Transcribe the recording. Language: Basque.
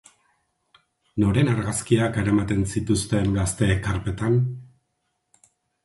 Noren argazkiak eramaten zituzten gazteek karpetan?